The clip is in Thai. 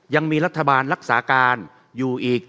ยังมีรัฐบาลรักษาการอยู่อีก